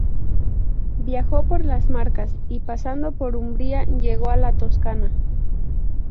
Viajó por las Marcas y pasando por Umbría llegó a la Toscana.